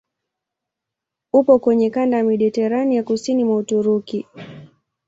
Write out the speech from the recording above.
Upo kwenye kanda ya Mediteranea kusini mwa Uturuki.